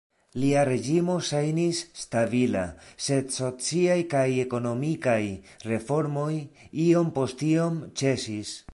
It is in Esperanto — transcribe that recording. Lia reĝimo ŝajnis "stabila", sed sociaj kaj ekonomikaj reformoj iom post iom ĉesis.